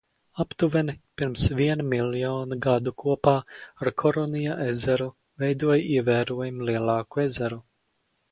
Aptuveni pirms viena miljona gadu kopā ar Koronija ezeru veidoja ievērojami lielāku ezeru.